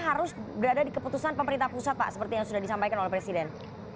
harus berada di keputusan pemerintah pusat pak seperti yang sudah disampaikan oleh presiden